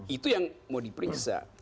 itu yang mau diperiksa